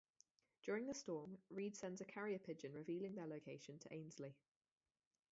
During the storm, Reed sends a carrier pigeon revealing their location to Ainslee.